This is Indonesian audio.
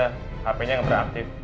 tapi dia tidak beraktif